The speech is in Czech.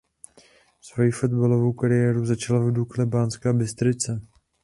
Svoji fotbalovou kariéru začal v Dukle Banská Bystrica.